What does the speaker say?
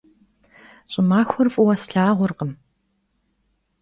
Ş'ımaxuer f'ıue slhağurkhım.